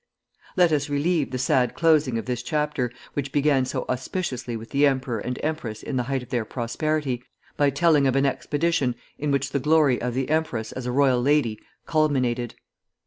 Let us relieve the sad closing of this chapter, which began so auspiciously with the emperor and empress in the height of their prosperity, by telling of an expedition in which the glory of the empress as a royal lady culminated.